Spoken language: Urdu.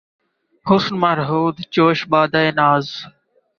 حسن مرہون جوش بادۂ ناز